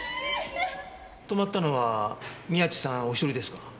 泊まったのは宮地さんおひとりですか？